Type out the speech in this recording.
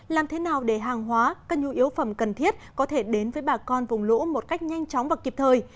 làm thế nào để hàng hóa các nhu yếu phẩm cần thiết có thể đến với bà con vùng lũ một cách nhanh chóng và kịp thời